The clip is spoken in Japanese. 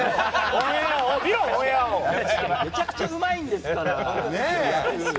めちゃくちゃうまいんですから。